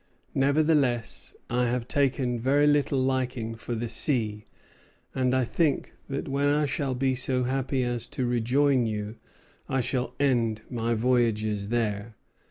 Nevertheless I have taken very little liking for the sea, and think that when I shall be so happy as to rejoin you I shall end my voyages there.